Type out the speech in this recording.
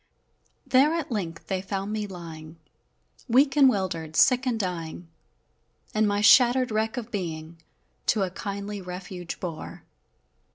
There at length they found me lying, Weak and 'wildered, sick and dying, And my shattered wreck of being To a kindly refuge bore!